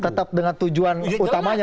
tetap dengan tujuan utamanya